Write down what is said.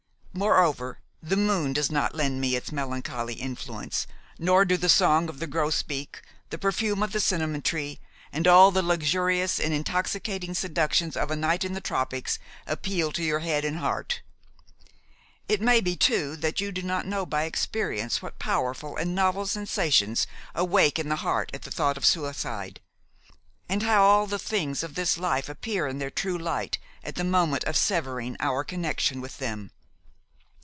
Moreover, the moon does not lend me its melancholy influence, nor do the song of the grosbeak, the perfume of the cinnamon tree, and all the luxurious and intoxicating seductions of a night in the tropics appeal to your head and heart. It may be, too, that you do not know by experience what powerful and novel sensations awake in the heart at the thought of suicide, and how all the things of this life appear in their true light at the moment of severing our connection with them.